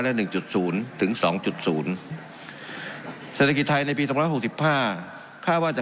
และ๑๐ถึง๒๐เสพาะในปีสองร้อยหกสิบห้าข้าว่าจะ